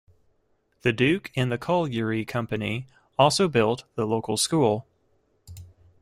The duke and the colliery company also built the local school.